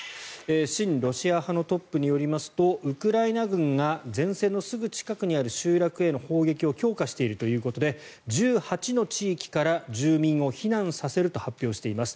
親ロシア派のトップによりますとウクライナ軍が前線のすぐ近くにある集落への砲撃を強化しているということで１８の地域から住民を避難させると発表しています。